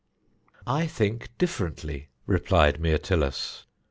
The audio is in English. "I think differently," replied Myrtilus.